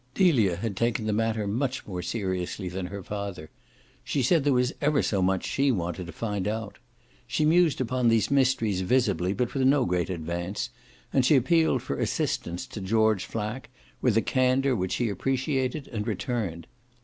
Delia had taken the matter much more seriously than her father; she said there was ever so much she wanted to find out. She mused upon these mysteries visibly, but with no great advance, and she appealed for assistance to George Flack, with a candour which he appreciated and returned.